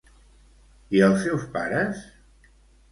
I els seus pares?